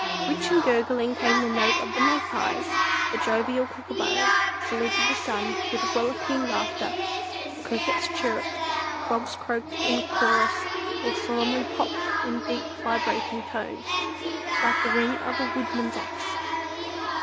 Rich and gurgling came the note of the magpies, the jovial kookooburras saluted the sun with rollicking laughter, the crickets chirruped, frogs croaked in chorus, or solemnly "popped" in deep vibrating tones, like the ring of a woodman's axe.